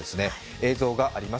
映像があります。